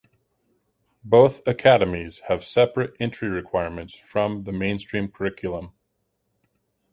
Both academies have separate entry requirements from the mainstream curriculum.